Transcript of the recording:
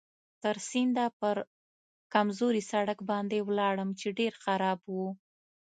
تر سینده پر کمزوري سړک باندې ولاړم چې ډېر خراب و.